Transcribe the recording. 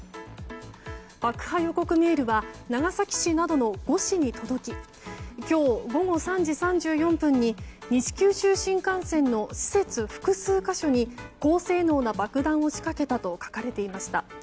爆破予告メールは長崎市などの５市に届き今日午後３時３４分に西九州新幹線の施設複数箇所に高性能な爆弾を仕掛けたと書かれていました。